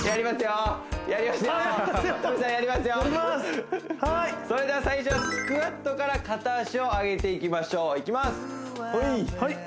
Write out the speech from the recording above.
はーいそれでは最初はスクワットから片脚を上げていきましょういきますはい！